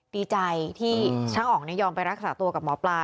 ดีใจที่ช่างอ๋องยอมไปรักษาตัวกับหมอปลา